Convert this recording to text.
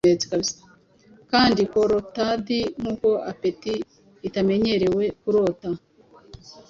Kandi kurotad, nkuko appetit itamenyerewe kurota,